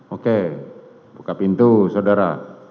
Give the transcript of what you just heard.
oke buka pintu saudara